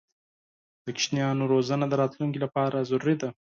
د ماشومانو روزنه د راتلونکي لپاره ضروري ده.